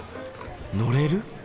乗れる？